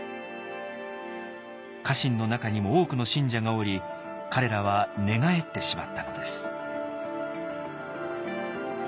家臣の中にも多くの信者がおり彼らは寝返ってしまったのです。